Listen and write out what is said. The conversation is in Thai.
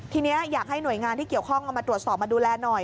ทีนี้อยากให้หน่วยงานที่เกี่ยวข้องเอามาตรวจสอบมาดูแลหน่อย